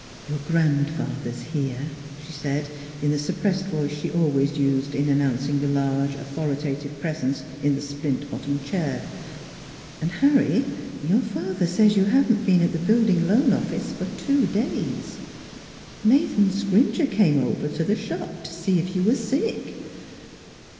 " Your grandfather is here," she said, in the suppressed voice she always used in announcing the large authoritative presence in the splint bot tomed chair. ..." And, Harry, your father says you haven't been at the Building Loan Of fice for two days. Nathan Scrimger came over to the shop to see if you were sick."